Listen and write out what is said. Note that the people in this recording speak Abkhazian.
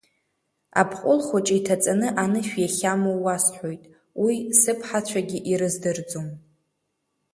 Абҟәыл хәыҷы иҭаҵаны анышә иахьамоу уасҳәоит, уи сыԥҳацәагьы ирыздырӡом.